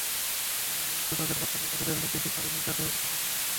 আমরা যেহেতু তাদের প্রত্যাশার প্রতিদান দিতে পারিনি, তাই তাদের কাছে ক্ষমাই চাইছি।